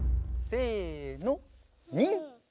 せの。